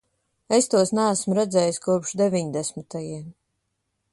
Es tos neesmu redzējis kopš deviņdesmitajiem.